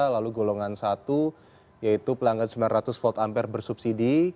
lalu golongan satu yaitu pelanggan sembilan ratus volt ampere bersubsidi